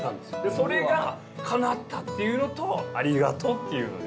それがかなったっていうのと「ありがとう」っていうので。